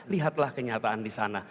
lihatlah kenyataan di sana